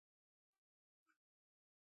کویلیو یو انسټیټیوټ تاسیس کړی دی.